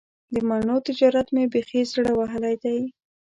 د مڼو تجارت مې بیخي زړه وهلی دی.